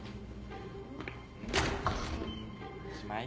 おしまい？